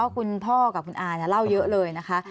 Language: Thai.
คุณพ่อกับคุณอาเล่าเยอะเลยนะคะ